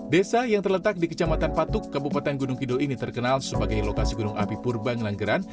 desa yang terletak di kecamatan patuk kabupaten gunung kidul ini terkenal sebagai lokasi gunung api purbang langgeran